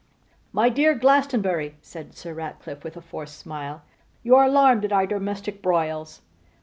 'My dear Glastonbury,' said Sir Ratcliffe, with a forced smile, 'you are alarmed at our domestic broils.